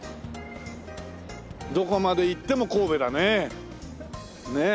どこまで行っても神戸だねえ。